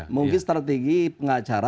mungkin strategi pengacara